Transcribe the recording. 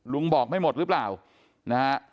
บอกไม่หมดหรือเปล่านะฮะ